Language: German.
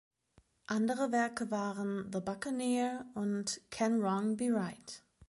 Andere Werke waren „The Buccaneer“ und „Can Wrong be Right“.